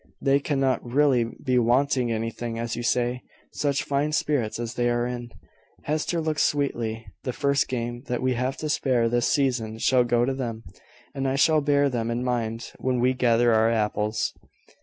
They cannot really be wanting anything, as you say, such fine spirits as they are in. Hester looks sweetly. The first game that we have to spare this season shall go to them: and I shall bear them in mind when we gather our apples."